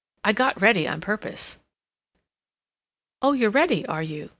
"I got ready on purpose." "Oh, you're ready, are you?"